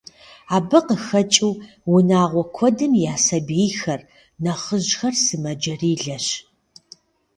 Абы къыхэкӏыу унагъуэ куэдым я сабийхэр, нэхъыжьхэр сымаджэрилэщ.